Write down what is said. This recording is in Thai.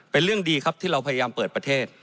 เป็นเรื่องดีครับที่เราพยายามเปิดประเทศ